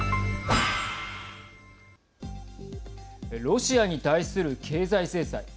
ロシアに対する経済制裁。